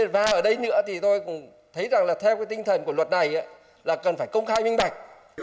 và ở đây nữa tôi thấy theo tinh thần của luật này là cần phải công khai minh bạch